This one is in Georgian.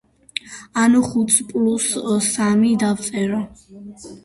ანუ ხუთს პლუს სამი დავწერო.